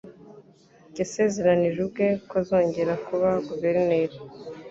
Yasezeranije ubwe ko azongera kuba guverineri.